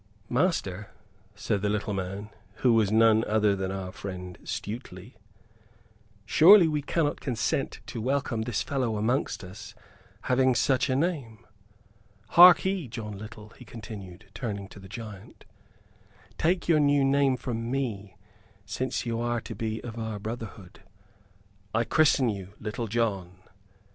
"Master," said the little man, who was none other than our friend Stuteley, "surely we cannot consent to welcome this fellow amongst us having such a name? Harkee, John Little," he continued, turning to the giant, "take your new name from me, since you are to be of our brotherhood. I christen you Little John!"